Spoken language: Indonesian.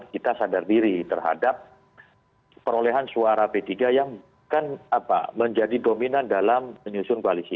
kita sadar diri terhadap perolehan suara p tiga yang akan menjadi dominan dalam menyusun koalisi